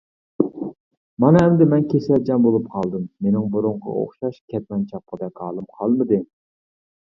مانا ئەمدى مەن كېسەلچان بولۇپ قالدىم، مېنىڭ بۇرۇنقىغا ئوخشاش كەتمەن چاپقۇدەك ھالىم قالمىدى.